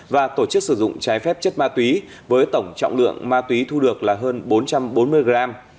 và tổ chức sử dụng trái phép chất ma túy với tổng trọng lượng ma túy thu được là hơn bốn trăm bốn mươi gram